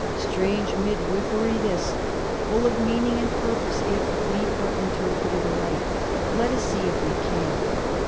Strange midwifery this ; full of meaning and purpose if we but interpret it aright. Let us see if we can.